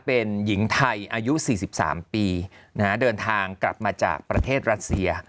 เป็นหญิงไทยอายุ๔๓ปีเดินทางกลับมาจากประเทศรัสเซีย